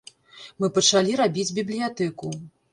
Мы пачалі рабіць бібліятэку.